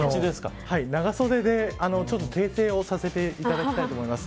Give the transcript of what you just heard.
長袖で、ちょっと訂正をさせていただきたいと思います。